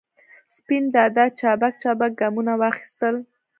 سپین دادا چابک چابک ګامونه واخستل.